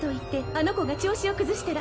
あの子が調子を崩したら